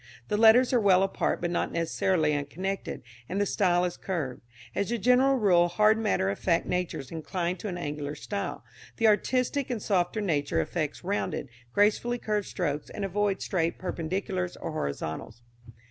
The letters are well apart but not necessarily unconnected, and the style is curved. As a general rule hard matter of fact natures incline to an angular style; the artistic and softer nature affects rounded, gracefully curved strokes, and avoids straight perpendiculars or horizontals.